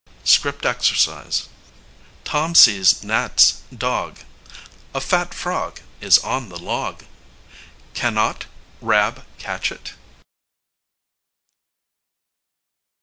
[Illustration: Script exercise: Tom sees Nat's dog. A fat frog is on the log. Can not Rab catch it?